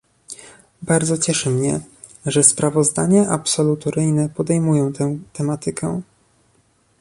Bardzo cieszy mnie, że sprawozdania absolutoryjne podejmują tę tematykę